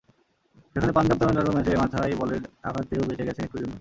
সেখানে পাঞ্জাব-তামিলনাড়ু ম্যাচে মাথায় বলের আঘাত পেয়েও বেঁচে গেছেন একটুর জন্য।